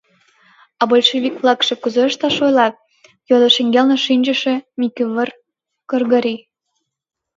— А большевик-влакше кузе ышташ ойлат? — йодо шеҥгелне шинчыше Микывыр Кргори.